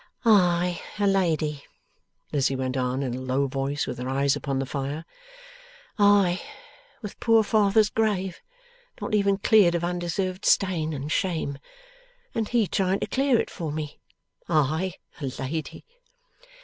'I a lady!' Lizzie went on in a low voice, with her eyes upon the fire. 'I, with poor father's grave not even cleared of undeserved stain and shame, and he trying to clear it for me! I a lady!